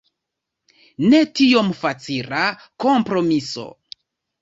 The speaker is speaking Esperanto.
Ne tiom facila kompromiso.